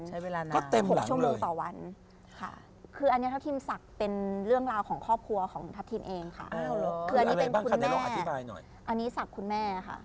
ใช้เวลานานเลยค่ะคืออันนี้ทัพทีมสักเป็นเรื่องราวของครอบครัวของทัพทีมเองค่ะคืออันนี้เป็นคุณแม่อันนี้สักคุณแม่ค่ะ